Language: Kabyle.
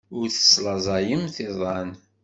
Ur teslaẓayemt iḍan.